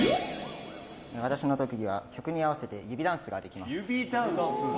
私の特技は曲に合わせて指ダンスができます。